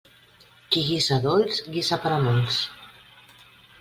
Qui guisa dolç guisa per a molts.